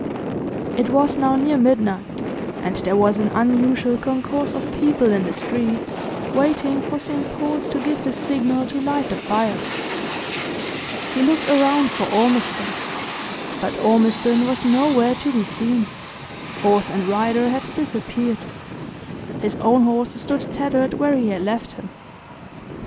It was now near midnight, and there was an unusual concourse of people in the streets, waiting for St. Paul's to give the signal to light the fires. He looked around for Ormiston; but Ormiston was nowhere to be seen horse and rider had disappeared. His own horse stood tethered where he had left him.